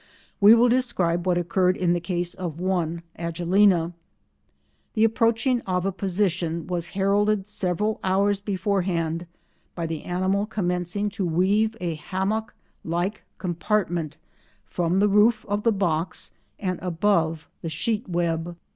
We will describe what occurred in the case of one Agelena. The approaching oviposition was heralded several hours beforehand by the animal commencing to weave a hammock like compartment from the roof of the box and above the sheet web.